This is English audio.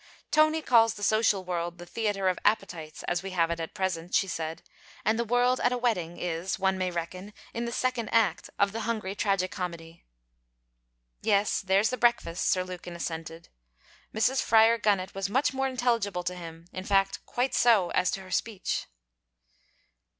'Tony calls the social world "the theatre of appetites," as we have it at present,' she said; 'and the world at a wedding is, one may reckon, in the second act of the hungry tragicomedy.' 'Yes, there's the breakfast,' Sir Lukin assented. Mrs. Fryar Gunnett was much more intelligible to him: in fact, quite so, as to her speech.